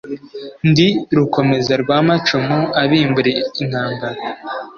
Ndi Rukomeza rw’amacumu abimbura intambara,